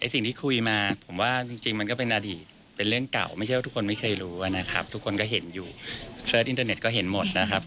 สิ่งที่คุยมาผมว่าจริงมันก็เป็นอดีตเป็นเรื่องเก่าไม่ใช่ว่าทุกคนไม่เคยรู้นะครับทุกคนก็เห็นอยู่เสิร์ชอินเทอร์เน็ตก็เห็นหมดนะครับ